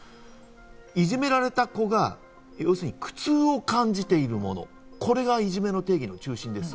いじめられた子が苦痛を感じているもの、これがいじめの定義の中心です。